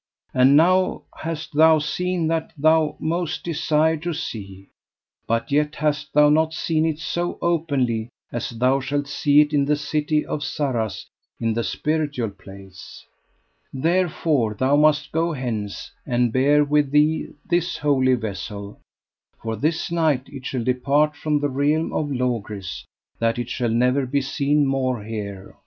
And now hast thou seen that thou most desired to see, but yet hast thou not seen it so openly as thou shalt see it in the city of Sarras in the spiritual place. Therefore thou must go hence and bear with thee this Holy Vessel; for this night it shall depart from the realm of Logris, that it shall never be seen more here.